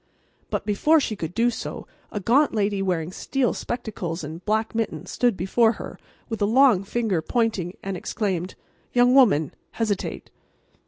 But before she could do so a gaunt lady wearing steel spectacles and black mittens stood before her, with a long finger pointing, and exclaimed: "Young woman, hesitate!"